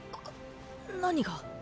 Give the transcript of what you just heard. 何が？？